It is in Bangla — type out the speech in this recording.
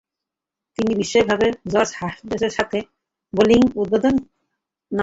তিনি বিস্ময়করভাবে জর্জ হার্স্টের সাথে বোলিং উদ্বোধনে নামেন।